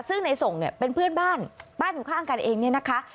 ซึ่งในส่งเนี่ยเป็นเพื่อนบ้านบ้านอยู่ข้างกันเองเนี่ยนะคะ